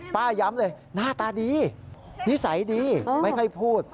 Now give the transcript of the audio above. ย้ำเลยหน้าตาดีนิสัยดีไม่ค่อยพูด